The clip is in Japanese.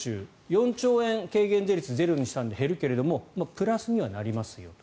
４兆円、軽減税率ゼロにしたので減るけどもプラスにはなりますよ。